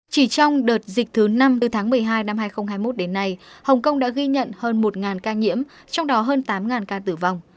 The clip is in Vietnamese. chỉ trong đợt dịch thứ năm từ tháng một mươi hai năm hai nghìn hai mươi một đến nay hồng kông đã ghi nhận hơn một ca nhiễm trong đó hơn tám ca tử vong